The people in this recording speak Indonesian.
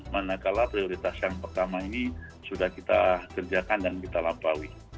manakala prioritas yang pertama ini sudah kita kerjakan dan kita lampaui